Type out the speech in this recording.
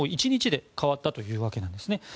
１日で変わったというわけです。